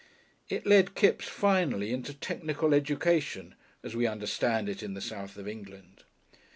It led Kipps finally into Technical Education as we understand it in the south of England.